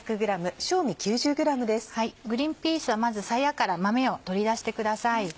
グリンピースはまずさやから豆を取り出してください。